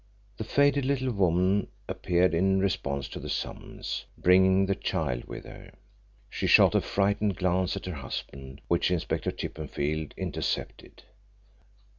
The faded little woman appeared in response to the summons, bringing the child with her. She shot a frightened glance at her husband, which Inspector Chippenfield intercepted.